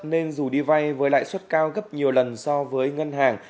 nên dù đi vay với lãi suất cao gấp nhiều lần so với ngân hàng